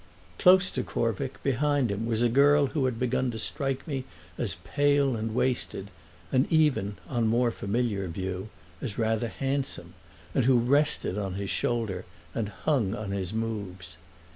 Close to Corvick, behind him, was a girl who had begun to strike me as pale and wasted and even, on more familiar view, as rather handsome, and who rested on his shoulder and hung on his moves.